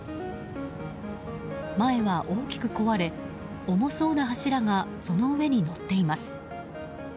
前は大きく壊れ、重そうな柱がその上に乗っています。